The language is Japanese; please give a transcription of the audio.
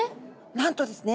なんとですね